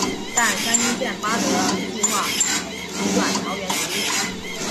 但三莺线八德计画移转桃园捷运。